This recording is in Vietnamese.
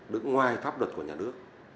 đứng ngoài pháp luật của nhà nước